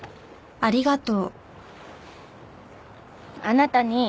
ありがとう。